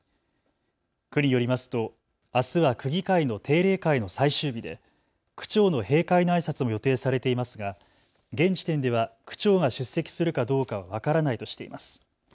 区によりますとあすは区議会の定例会の最終日で区長の閉会のあいさつも予定されていますが現時点では区長が出席するかどうかは分からないとしています。